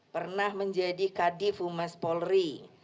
pernah menjadi kadif umar spolri